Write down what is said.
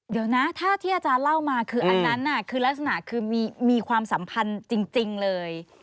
เดี๋ยวนะถ้าที่อาจารย์เล่ามาคืออันนั้นคือลักษณะคือมีความสัมพันธ์จริงเลย